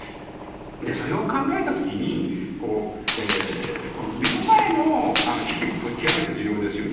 それを考えた時に目の前の危機も極めて重要ですよね。